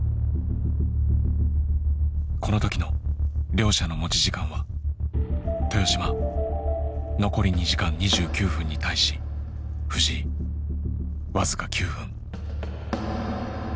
この時の両者の持ち時間は豊島残り２時間２９分に対し藤井僅か９分。